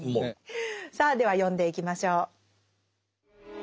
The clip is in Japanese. さあでは読んでいきましょう。